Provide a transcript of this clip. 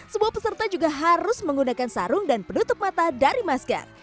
sebuah peserta juga harus menggunakan sarung dan penutup mata dari masker